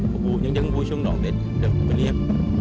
phục vụ nhân dân vui chung đón tết được quân hiệp